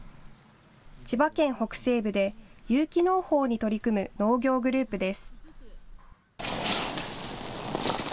千葉県北西部で有機農法に取り組む農業グループです。